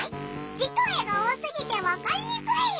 字と絵が多すぎてわかりにくいよ。